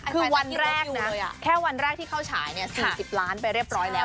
คือวันแรกนะแค่วันแรกที่เข้าฉาย๔๐ล้านไปเรียบร้อยแล้ว